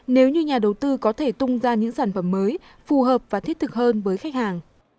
nếu như nhà đầu tư có thể tung ra những sản phẩm mới phù hợp và thiết thực hơn với khách hàng